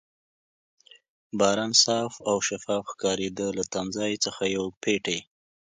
باران صاف او شفاف ښکارېده، له تمځای څخه یو پېټی.